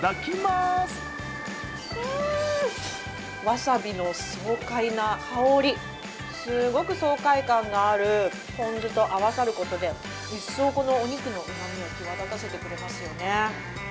すごく爽快感があるポン酢と合わさることで一層お肉のうまみを際立たせてくれますよね。